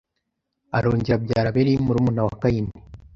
Arongera abyara Abeli murumuna wa Kayini